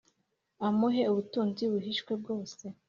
Amuhe ubutunzi buhishwe bwose